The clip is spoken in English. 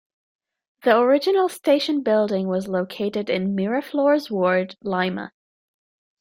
The original station building was located in Miraflores Ward, Lima.